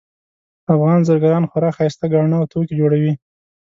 افغان زرګران خورا ښایسته ګاڼه او توکي جوړوي